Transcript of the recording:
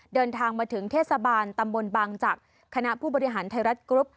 เดินทางมาถึงเทศบาลตำบลบางจักรคณะผู้บริหารไทยรัฐกรุ๊ป